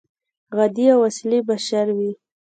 عادي او اصلي بشر وي.